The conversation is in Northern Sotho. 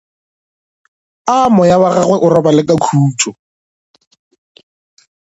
A moya wa gagwe o robale ka khutšo.